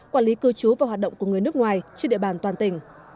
quản lý cư trú và hoạt động của người nước ngoài trên địa bàn toàn tỉnh